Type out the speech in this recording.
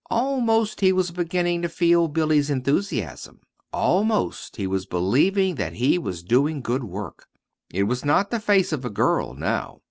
Almost he was beginning to feel Billy's enthusiasm. Almost he was believing that he was doing good work. It was not the "Face of a Girl," now.